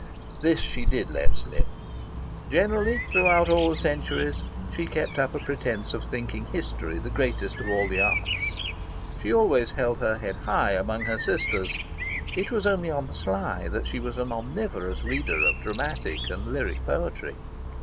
This she did let slip. Generally, throughout all the centuries, she kept up a pretence of thinking history the greatest of all the arts. She always held her head high among her Sisters. It was only on the sly that she was an omnivorous reader of dramatic and lyric poetry.